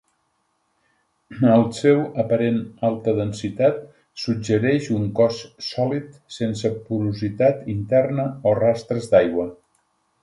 El seu aparent alta densitat suggereix un cos sòlid sense porositat interna o rastres d'aigua.